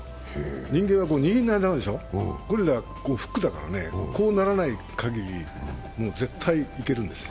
人間は握らないとだめでしょ、ゴリラはフックだから、こうならないかぎり、絶対いけるんですよ。